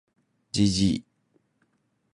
gg